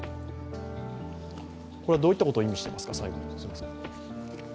これはどういったことを意味していますか？